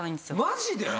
マジで？